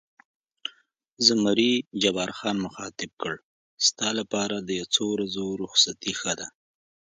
زمري جبار خان مخاطب کړ: ستا لپاره د یو څو ورځو رخصتي ښه ده.